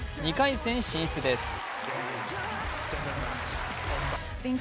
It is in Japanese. ２回戦進出です。